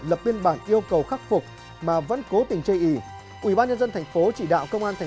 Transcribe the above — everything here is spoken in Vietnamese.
lập biên bản yêu cầu khắc phục mà vẫn cố tình chế ị ubnd tp chỉ đạo công an tp